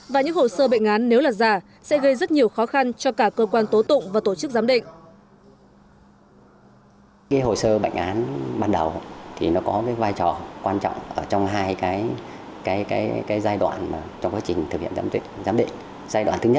và những hồ sơ bệnh án nếu là giả sẽ gây rất nhiều khó khăn cho cả cơ quan tố tụng và tổ chức giám định